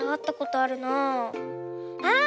あっ！